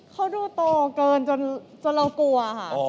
เขาดูโตเกินจนเรากลัวค่ะ